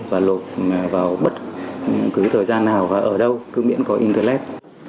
và lộp vào bất cứ thời gian nào và ở đâu cứ miễn có internet